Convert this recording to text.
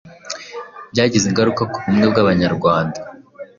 Byagize ingaruka ku bumwe bw'Abanyarwanda